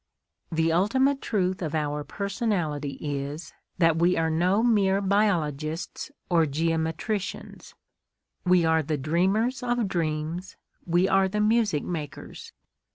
The ultimate truth of our personality is that we are no mere biologists or geometricians; "we are the dreamers of dreams, we are the music makers."